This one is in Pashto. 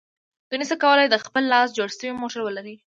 دوی نشي کولای د خپل لاس جوړ شوی موټر ولري.